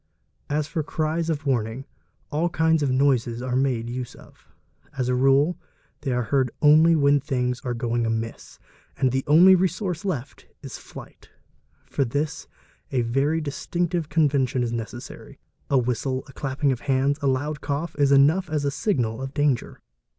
As for cries of warning, all kinds of noises are made use of; as a rule they are heard only when things are going amiss and the only resource left is flight: for this a very distinctive convention is necessary, a whistle, a clapping of the hands, a loud cough, is enough as a signal of danger.